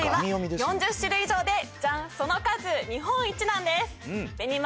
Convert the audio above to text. ４０種類以上でジャンその数日本一なんです紅ま